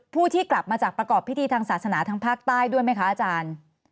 ผู้ที่กลับมาจากประกอบพิธีทางศาสนาทางภาคใต้ด้วยไหมคะอาจารย์